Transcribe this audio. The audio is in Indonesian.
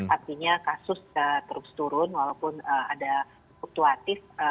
artinya kasus terus turun walaupun ada fluktuatif